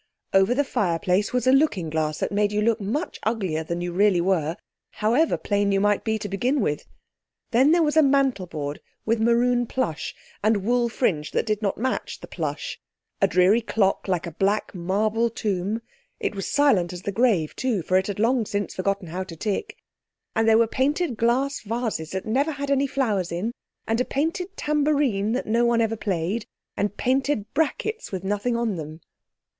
Over the fireplace was a looking glass that made you look much uglier than you really were, however plain you might be to begin with. Then there was a mantelboard with maroon plush and wool fringe that did not match the plush; a dreary clock like a black marble tomb—it was silent as the grave too, for it had long since forgotten how to tick. And there were painted glass vases that never had any flowers in, and a painted tambourine that no one ever played, and painted brackets with nothing on them.